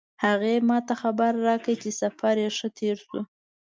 هغې ما ته خبر راکړ چې سفر یې ښه تیر شو